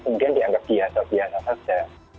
kemudian dianggap biasa biasa saja